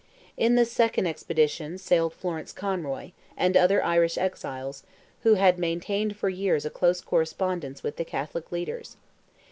In this second expedition sailed Florence Conroy, and other Irish exiles, who had maintained for years a close correspondence with the Catholic leaders.